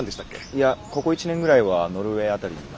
いやここ１年ぐらいはノルウェー辺りにいますね。